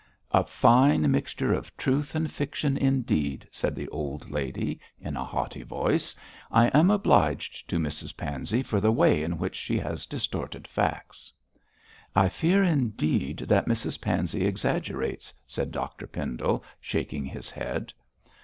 'A fine mixture of truth and fiction indeed,' said the old lady, in a haughty voice. 'I am obliged to Mrs Pansey for the way in which she has distorted facts.' 'I fear, indeed, that Mrs Pansey exaggerates,' said Dr Pendle, shaking his head.